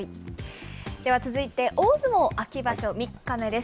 では続いて、大相撲秋場所３日目です。